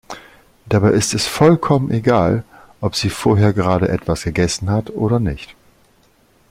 Dabei ist es vollkommen egal, ob sie vorher gerade etwas gegessen hat oder nicht.